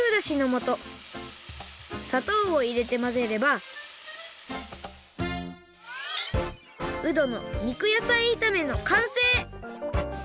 もとさとうをいれてまぜればうどの肉野菜いためのかんせい！